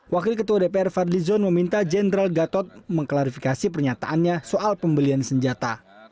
wakil ketua dpr fadlizon meminta jenderal gatot mengklarifikasi pernyataannya soal pembelian senjata